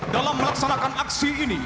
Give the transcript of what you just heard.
dalam melaksanakan aksi ini